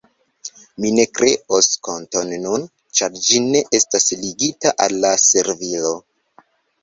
Mi ne kreos konton nun, ĉar ĝi ne estas ligita al la servilo.